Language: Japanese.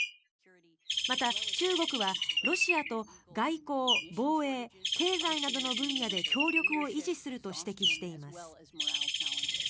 また、中国はロシアと外交、防衛、経済などの分野で協力を維持すると指摘しています。